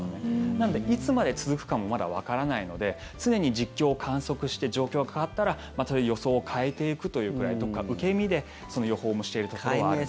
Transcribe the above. なので、いつまで続くかもまだわからないので常に実況観測して状況が変わったら予想を変えていくというくらいどこか受け身で予報もしているところはあるんですよね。